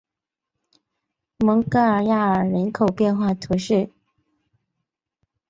蒙盖亚尔人口变化图示